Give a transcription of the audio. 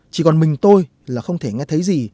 chỉ còn mình tôi là không thể nghe thấy gì